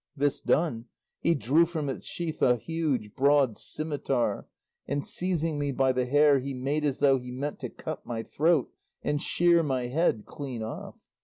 This done, he drew from its sheath a huge broad scimitar, and seizing me by the hair he made as though he meant to cut my throat and shear my head clean off.